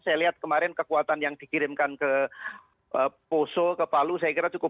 saya lihat kemarin kekuatan yang dikirimkan ke poso ke palu